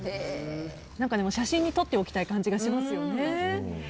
写真に撮っておきたい感じがしますよね。